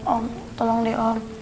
om tolong deh om